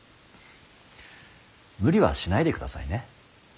無理はしないでくださいね。